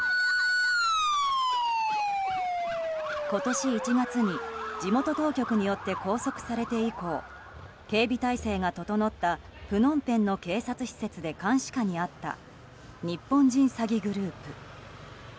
今年１月に地元当局によって拘束されて以降警備体制が整ったプノンペンの警察施設で監視下にあった日本人詐欺グループ。